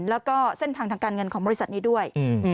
แล้วก็เส้นทางทางการเงินของบริษัทนี้ด้วย